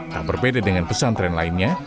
tak berbeda dengan pesantren lainnya